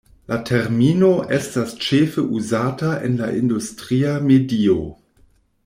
La termino estas ĉefe uzata en la industria medio.